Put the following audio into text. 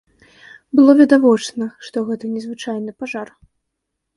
Было відавочна, што гэта незвычайны пажар.